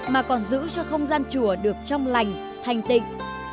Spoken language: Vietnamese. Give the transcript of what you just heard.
mà còn giữ cho không gian chùa được trong lành thanh tịnh